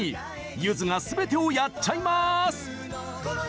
ゆずがすべてをやっちゃいます。